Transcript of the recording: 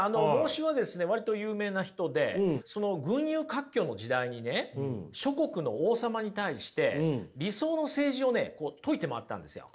孟子は割と有名な人でその群雄割拠時代に諸国の王様に対して理想の政治を説いて回ったんですよ。